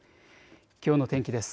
きょうの天気です。